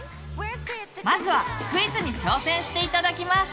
まずはクイズに挑戦して頂きます！